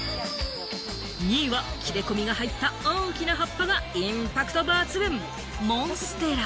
２位は切れ込みが入った大きな葉っぱがインパクト抜群、モンステラ。